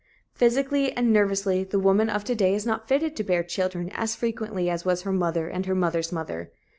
Physically and nervously, the woman of to day is not fitted to bear children as frequently as was her mother and her mother's mother.